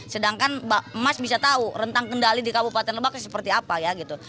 sedangkan emas bisa tahu rentang kendali di kabupaten lebak seperti apa ya gitu